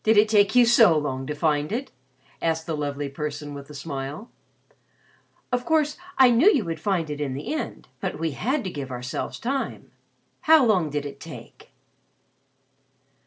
"Did it take you so long to find it?" asked the Lovely Person with the smile. "Of course I knew you would find it in the end. But we had to give ourselves time. How long did it take?"